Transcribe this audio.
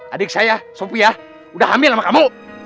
adik saya sofia udah ambil sama kamu